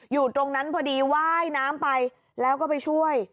อยู่ตรงนั้นพอดีว่ายน้ำไปแล้วก็ไปช่วย